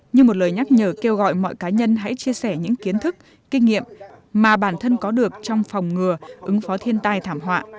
như một lời nhắc nhở kêu gọi mọi cá nhân hãy chia sẻ những kiến thức kinh nghiệm mà bản thân có được trong phòng ngừa ứng phó thiên tai thảm họa